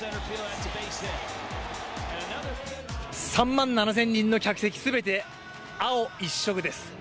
３万７０００人の客席全て、青一色です。